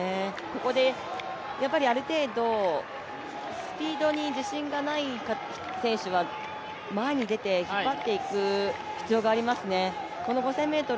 ここである程度、スピードに自信がない選手は、前に出て引っ張っていく必要がありますね。